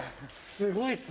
すごいっすね。